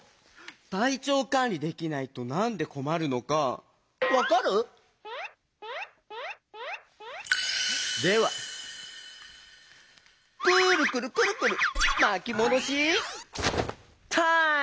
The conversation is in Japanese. たいちょうかんりできないとなんでこまるのかわかる？ではくるくるくるくるまきもどしタイム！